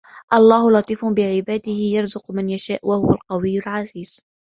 اللَّهُ لَطيفٌ بِعِبادِهِ يَرزُقُ مَن يَشاءُ وَهُوَ القَوِيُّ العَزيزُ